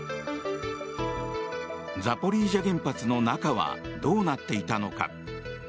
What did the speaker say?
ザポリージャ原発の中はどうなっていたのか。